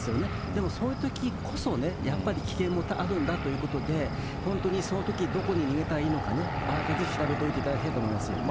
でも、そういうときこそね、やっぱり危険もあるんだということで、本当にそのとき、どこに逃げたらいいのかね、あらかじめ調べておいていただきたいと思いますけどね。